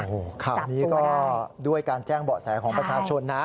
จับตัวได้โอ้โฮข้าวนี้ก็ด้วยการแจ้งเบาะแสของประชาชนนะ